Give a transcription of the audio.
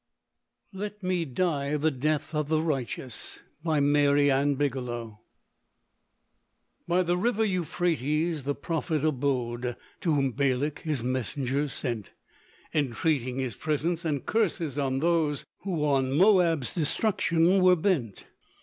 "LET ME DIE THE DEATH OF THE RIGHTEOUS." By the river Euphrates the prophet abode, To whom Balak his messengers sent, Entreating his presence and curses on those Who on Moab's destruction were bent.